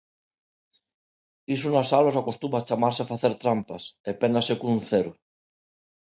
Iso nas aulas acostuma a chamarse facer trampas, e pénase cun cero.